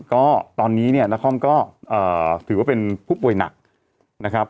ก็ตอนนี้เนี่ยนครก็ถือว่าเป็นผู้ป่วยหนักนะครับ